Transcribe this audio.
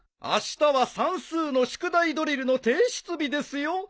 あしたは算数の宿題ドリルの提出日ですよ。